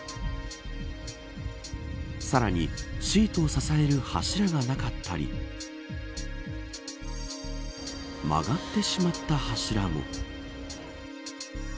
さらにシートを支える柱がなかったり曲がってしまった柱も。